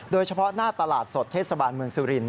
โดยเฉพาะหน้าตลาดสดเทศบาลเมืองสุรินท